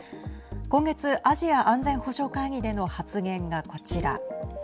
今月、アジア安全保障会議での発言がこちら。